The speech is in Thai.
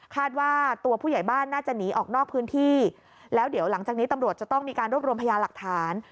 ว่าตัวผู้ใหญ่บ้านน่าจะหนีออกนอกพื้นที่แล้วเดี๋ยวหลังจากนี้ตำรวจจะต้องมีการรวบรวมพยาหลักฐาน